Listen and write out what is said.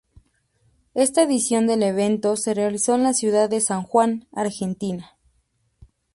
Esta edición del evento se realizó en la Ciudad de San Juan, Argentina.